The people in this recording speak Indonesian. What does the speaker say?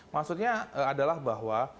maksudnya adalah bahwa